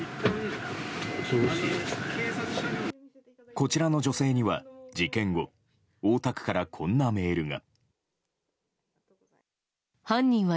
こちらの女性には、事件後大田区からこんなメールが。